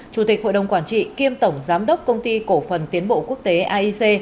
chủ tịch hội đồng quản trị kiêm tổng giám đốc công ty cổ phần tiến bộ quốc tế aic